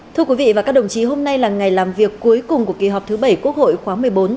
thưa quý vị và các đồng chí hôm nay là ngày làm việc cuối cùng của kỳ họp thứ bảy quốc hội khóa một mươi bốn